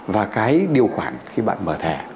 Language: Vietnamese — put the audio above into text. và cái điều khoản khi bạn mở thẻ